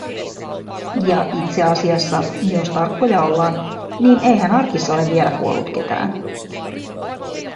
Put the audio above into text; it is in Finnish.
Ja itseasiassa, jos tarkkoja ollaan, niin eihän arkissa ole vielä kuollut ketään;